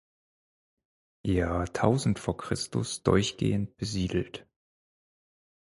Jahrtausend vor Christus durchgehend besiedelt.